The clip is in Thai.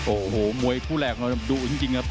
โอ้โหมวยผู้แรกดูจริงครับ